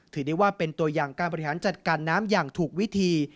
ถือได้ว่าเป็นตัวอย่างการบริหารจัดการน้ำอย่างถูกวิธี